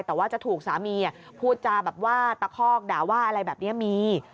แต่ว่าจะถูกสามีพูดจาแบบว่าตะคอกด่าว่าอะไรแบบนี้มี